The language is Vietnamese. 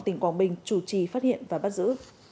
tỉnh quảng bình chủ trì phát hiện và bắt giữ